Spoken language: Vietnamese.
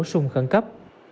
sung khẩn cấp